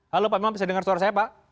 halo pak mima bisa dengar suara saya pak